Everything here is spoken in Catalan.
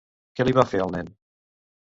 Què li va fer al nen?